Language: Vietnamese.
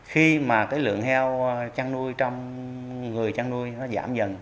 khi mà cái lượng heo chăn nuôi trong người chăn nuôi nó giảm dần